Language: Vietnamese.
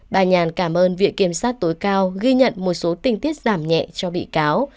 bà nhàn cảm ơn viện kiểm sát tối cao ghi nhận một số tình tiết giảm nhẹ cho bị cáo